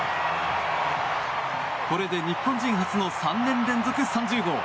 これで日本人初の３年連続３０号。